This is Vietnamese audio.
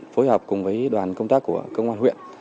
phối hợp cùng với đoàn công tác của công an huyện